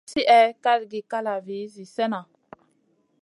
Lawn min slihè kalgi kalavi zi slena.